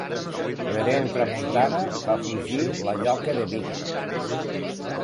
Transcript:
L'hereu Tramuntana fa fugir la lloca de Vic.